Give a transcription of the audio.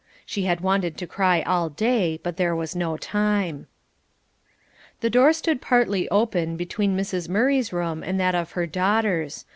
She had wanted to cry all day, but there was no time. The door stood partly open between Mrs. Murray's room and that of her daughters.